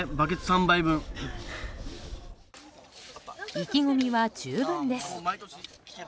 意気込みは十分です。